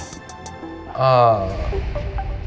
tujuan pak remon kesini